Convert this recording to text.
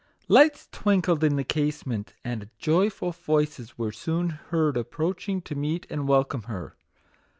Lights twinkled in the case ment, and joyful voices were soon heard ap proaching to meet and welcome her.